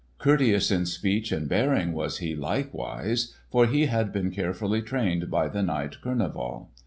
Courteous in speech and bearing was he, likewise, for he had been carefully trained by the knight Kurneval.